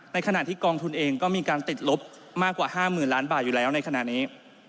ขณะที่กองทุนเองก็มีการติดลบมากกว่า๕๐๐๐ล้านบาทอยู่แล้วในขณะนี้